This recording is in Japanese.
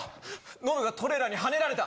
ノブがトレーラーにはねられた。